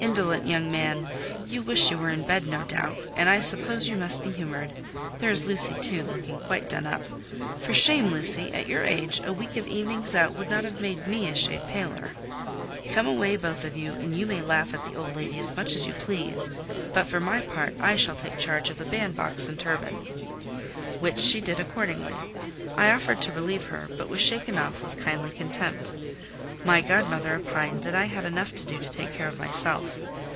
"Indolent young man! You wish you were in bed, no doubt; and I suppose you must be humoured. There is Lucy, too, looking quite done up. For shame, Lucy! At your age, a week of evenings out would not have made me a shade paler. Come away, both of you; and you may laugh at the old lady as much as you please, but, for my part, I shall take charge of the bandbox and turban." Which she did accordingly. I offered to relieve her, but was shaken off with kindly contempt: my godmother opined that I had enough to do to take care of myself.